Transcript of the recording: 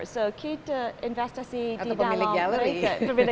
jadi kita investasi di dalam pembinaan